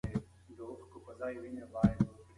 تیږه په مرغۍ ولګېده او د هغې ژوند یې بدل کړ.